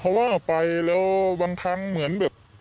เพราะว่าไปแล้วบางครั้งเหมือนแบบ